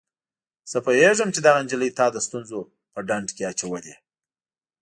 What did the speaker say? زه پوهیږم چي دغه نجلۍ تا د ستونزو په ډنډ کي اچولی.